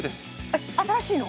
えっ新しいの？